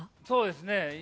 そうですね